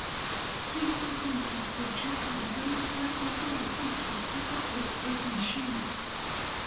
His second book for children, "Baby Pie" also received a paperback edition.